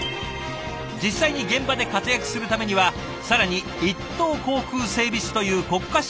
実際に現場で活躍するためには更に一等航空整備士という国家資格が必要。